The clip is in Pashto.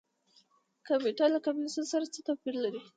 کمیټه له کمیسیون سره څه توپیر لري؟